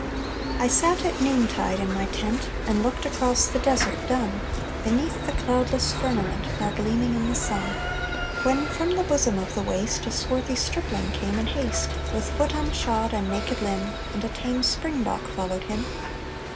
_ I sat at noontide in my tent, And looked across the desert dun, Beneath the cloudless firmament Far gleaming in the sun, When from the bosom of the waste A swarthy stripling came in haste, With foot unshod and naked limb; And a tame springbok followed him.